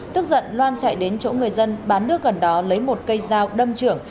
tức giận loan chạy đến chỗ người dân bán nước gần đó lấy một cây dao đâm trưởng